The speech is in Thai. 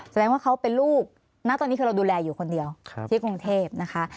แสดงว่าเขาเป็นลูกณตอนนี้คือเราดูแลอยู่คนเดียวที่กรุงเทพนะคะ